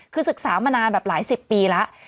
คือศึกษามานานแบบหลายสิบปีแล้ว